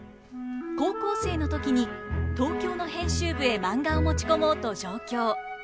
高校生の時に東京の編集部へマンガを持ち込もうと上京。